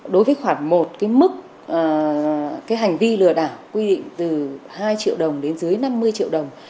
đối với khoản một cái mức cái hành vi lừa đảo quy định từ hai triệu đồng đến dưới năm mươi triệu đồng